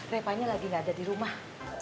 repanya lagi ga ada dirumah